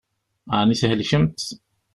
Ɛni thelkemt?